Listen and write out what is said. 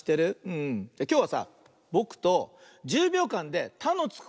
きょうはさぼくと１０びょうかんで「た」のつく